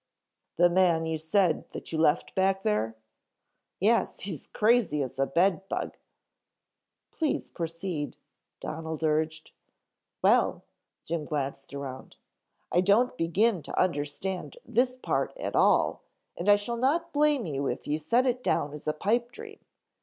"The man you said that you left back there?" "Yes. He's crazy as a bed bug " "Please proceed," Donald urged. "Well," Jim glanced around. "I don't begin to understand this part at all and I shall not blame you if you set it down as a pipe dream."